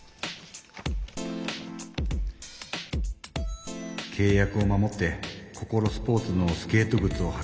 心の声けい約を守ってココロスポーツのスケートぐつをはく。